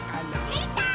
できたー！